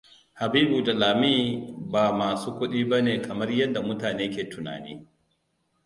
Habibu da Lami ba masu kudi ba ne kamar yadda mutane ke tunani.